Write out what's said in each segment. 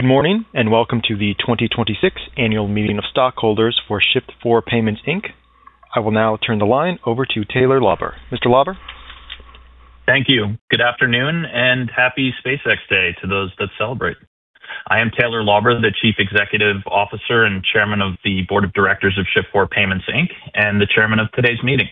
Good morning, welcome to the 2026 Annual Meeting of Stockholders for Shift4 Payments, Inc. I will now turn the line over to Taylor Lauber. Mr. Lauber? Thank you. Good afternoon, and happy SpaceX Day to those that celebrate. I am Taylor Lauber, the Chief Executive Officer and Chairman of the Board of Directors of Shift4 Payments, Inc., and the chairman of today's meeting.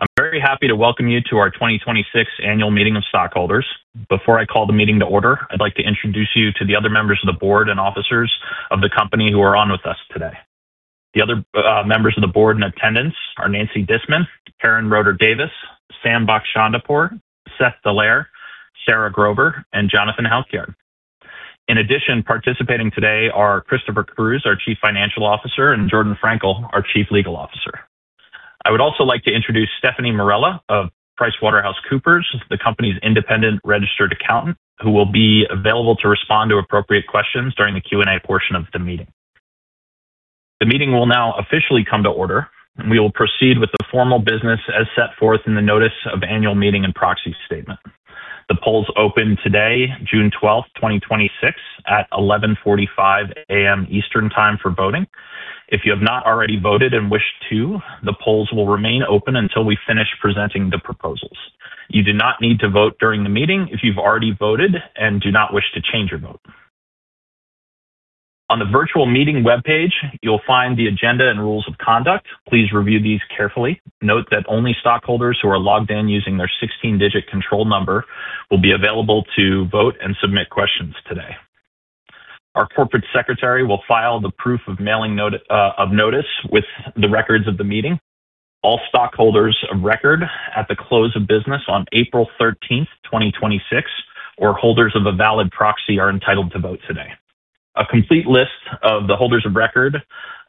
I'm very happy to welcome you to our 2026 Annual Meeting of Stockholders. Before I call the meeting to order, I'd like to introduce you to the other members of the board and officers of the company who are on with us today. The other members of the board in attendance are Nancy Disman, Karen Roter Davis, Sam Bakhshandehpour, Seth Dallaire, Sarah Grover, and Jonathan Halkyard. In addition, participating today are Christopher Cruz, our Chief Financial Officer, and Jordan Frankel, our Chief Legal Officer. I would also like to introduce Stephanie Morela of PricewaterhouseCoopers, the company's independent registered accountant, who will be available to respond to appropriate questions during the Q&A portion of the meeting. The meeting will now officially come to order, and we will proceed with the formal business as set forth in the notice of annual meeting and proxy statement. The polls opened today, June 12th, 2026, at 11:45 A.M. Eastern Time for voting. If you have not already voted and wish to, the polls will remain open until we finish presenting the proposals. You do not need to vote during the meeting if you've already voted and do not wish to change your vote. On the virtual meeting webpage, you'll find the agenda and rules of conduct. Please review these carefully. Note that only stockholders who are logged in using their 16-digit control number will be available to vote and submit questions today. Our corporate secretary will file the proof of mailing of notice with the records of the meeting. All stockholders of record at the close of business on April 13th, 2026, or holders of a valid proxy are entitled to vote today. A complete list of the holders of record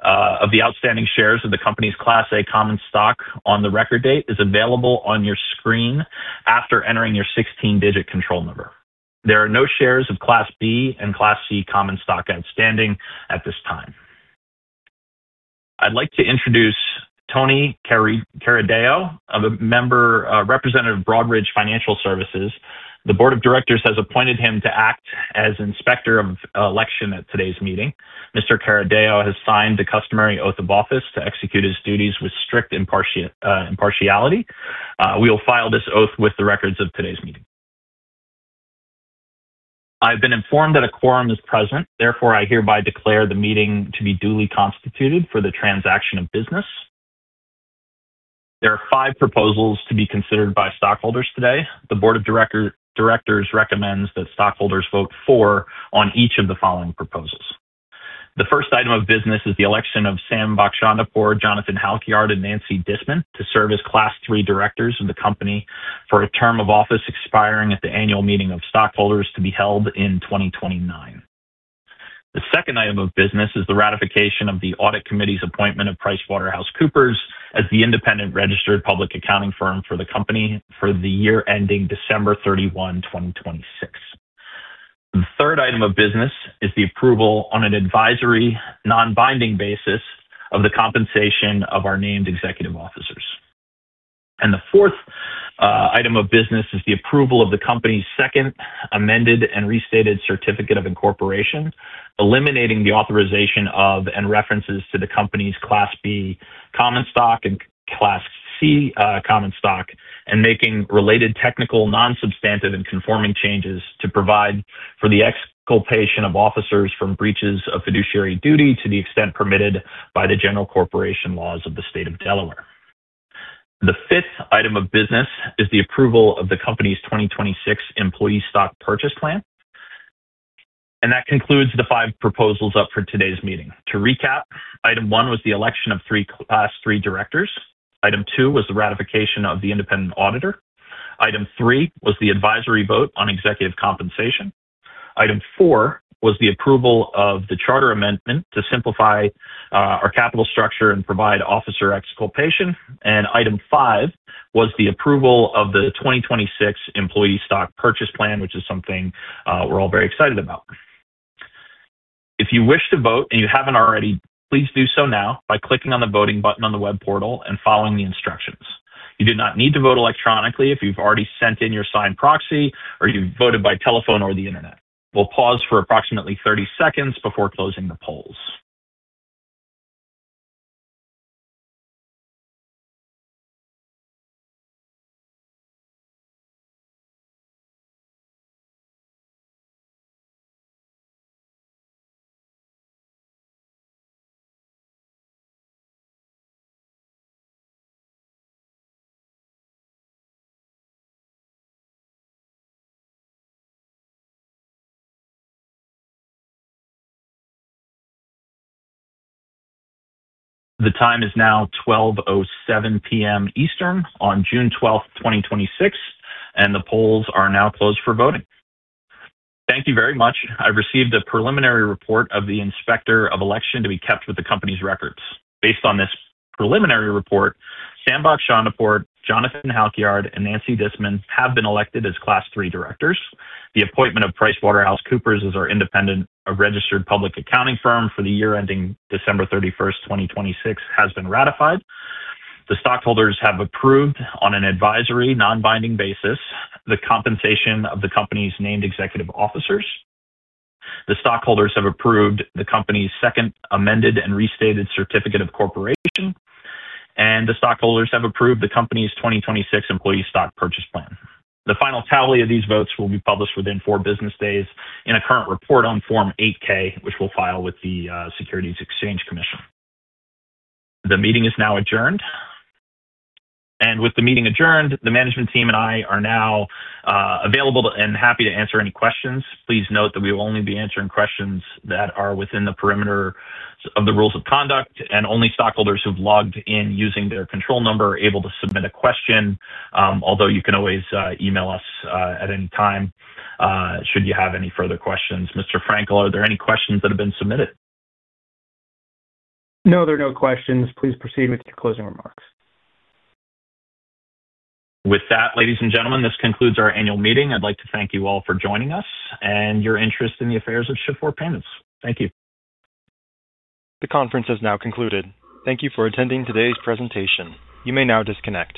of the outstanding shares of the company's Class A common stock on the record date is available on your screen after entering your 16-digit control number. There are no shares of Class B and Class C common stock outstanding at this time. I'd like to introduce Tony Carideo, a representative of Broadridge Financial Solutions. The board of directors has appointed him to act as Inspector of Election at today's meeting. Mr. Carideo has signed the customary oath of office to execute his duties with strict impartiality. We will file this oath with the records of today's meeting. I've been informed that a quorum is present. I hereby declare the meeting to be duly constituted for the transaction of business. There are five proposals to be considered by stockholders today. The board of directors recommends that stockholders vote for on each of the following proposals. The first item of business is the election of Sam Bakhshandehpour, Jonathan Halkyard, and Nancy Disman to serve as Class III directors of the company for a term of office expiring at the annual meeting of stockholders to be held in 2029. The second item of business is the ratification of the audit committee's appointment of PricewaterhouseCoopers as the independent registered public accounting firm for the company for the year ending December 31st, 2026. The third item of business is the approval on an advisory, non-binding basis of the compensation of our named executive officers. The fourth item of business is the approval of the company's second amended and restated certificate of incorporation, eliminating the authorization of and references to the company's Class B common stock and Class C common stock and making related technical, non-substantive, and conforming changes to provide for the exculpation of officers from breaches of fiduciary duty to the extent permitted by the general corporation laws of the state of Delaware. The fifth item of business is the approval of the company's 2026 employee stock purchase plan. That concludes the five proposals up for today's meeting. To recap, item one was the election of three Class III directors. Item two was the ratification of the independent auditor. Item three was the advisory vote on executive compensation. Item four was the approval of the charter amendment to simplify our capital structure and provide officer exculpation. Item five was the approval of the 2026 employee stock purchase plan, which is something we're all very excited about. If you wish to vote and you haven't already, please do so now by clicking on the voting button on the web portal and following the instructions. You do not need to vote electronically if you've already sent in your signed proxy or you voted by telephone or the Internet. We'll pause for approximately 30 seconds before closing the polls. The time is now 12:07 P.M. Eastern on June 12th, 2026. The polls are now closed for voting. Thank you very much. I've received a preliminary report of the Inspector of Election to be kept with the company's records. Based on this preliminary report, Sam Bakhshandehpour, Jonathan Halkyard, and Nancy Disman have been elected as Class III directors. The appointment of PricewaterhouseCoopers as our independent registered public accounting firm for the year ending December 31st, 2026, has been ratified. The stockholders have approved, on an advisory, non-binding basis, the compensation of the company's named executive officers. The stockholders have approved the company's second amended and restated certificate of incorporation. The stockholders have approved the company's 2026 employee stock purchase plan. The final tally of these votes will be published within four business days in a current report on Form 8-K, which we'll file with the Securities and Exchange Commission. The meeting is now adjourned. With the meeting adjourned, the management team and I are now available and happy to answer any questions. Please note that we will only be answering questions that are within the perimeter of the rules of conduct, and only stockholders who've logged in using their control number are able to submit a question. Although you can always email us at any time should you have any further questions. Mr. Frankel, are there any questions that have been submitted? No, there are no questions. Please proceed with your closing remarks. With that, ladies and gentlemen, this concludes our annual meeting. I'd like to thank you all for joining us and your interest in the affairs of Shift4 Payments. Thank you. The conference has now concluded. Thank you for attending today's presentation. You may now disconnect.